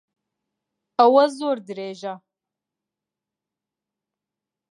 ئەوە زۆر درێژە.